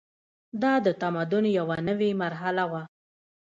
دا د تمدن یوه نوې مرحله وه.